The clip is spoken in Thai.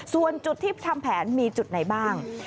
ส่วนจุดที่ทำแผนมีจุดไหนบ้าง